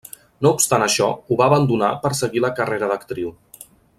No obstant això, ho va abandonar per seguir la carrera d'actriu.